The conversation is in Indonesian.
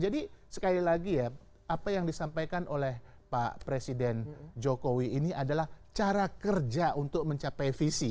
jadi sekali lagi ya apa yang disampaikan oleh pak presiden jokowi ini adalah cara kerja untuk mencapai visi